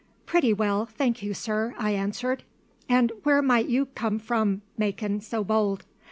"Pretty well, thank you, sir," I answered. "And where might you come from, makin' so bold?"